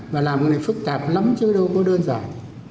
mà làm cái này phức tạp lắm chứ đâu có đơn giản